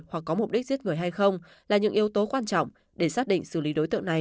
hoặc có mục đích giết người hay không là những yếu tố quan trọng để xác định xử lý đối tượng này